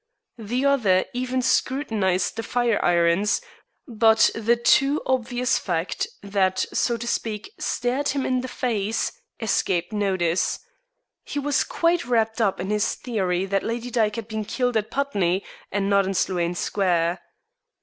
The other even scrutinized the fire irons, but the too obvious fact that, so to speak, stared him in the face, escaped notice. He was quite wrapped up in his theory that Lady Dyke had been killed at Putney, and not in Sloane Square.